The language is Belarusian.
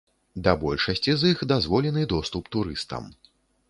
Да большасці з іх дазволены доступ турыстам.